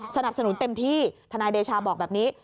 สนับสนุนเต็มที่ทนายเดชาบอกแบบนี้